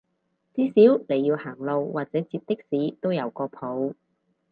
至少你要行路或者截的士都有個譜